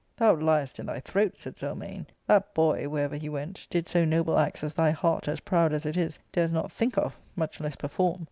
" Thou liest in thy throat !" said Zelmane ;" that boy, wherever he went, did so noble acts as thy heart, as proud as it is, dares not think of, much less perform.